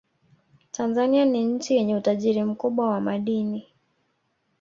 tanzania ni nchi yenye utajiri mkubwa wa madini